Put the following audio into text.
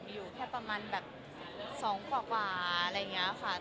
อยู่แค่ประมาณแบบ๒กว่าอะไรอย่างนี้ค่ะ